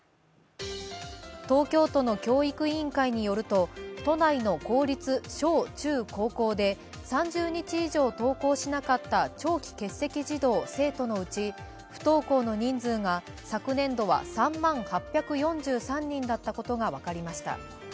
東京都の教育委員会によると、都内の公立小・中・高校で３０日以上登校しなかった長期欠席児童・生徒のうち不登校の人数が昨年度は３万８４３人だったことが分かりました。